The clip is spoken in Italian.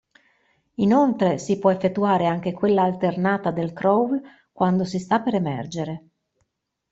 Inoltre, si può effettuare anche quella alternata del crawl quando si sta per emergere.